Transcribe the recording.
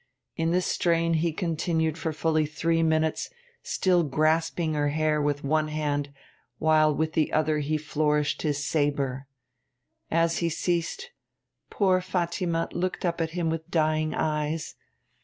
In this strain he continued for fully three minutes, still grasping her hair with one hand while with the other he flourished his sabre. As he ceased, poor Fatima looked up at him with dying eyes.